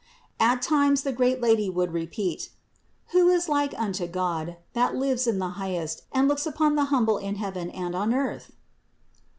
At times the great Lady would repeat : "Who is like unto God, that lives in the highest and looks upon the humble in heaven and on earth?"